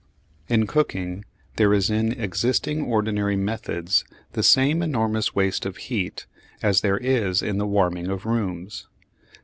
In cooking there is in existing ordinary methods the same enormous waste of heat as there is in the warming of rooms.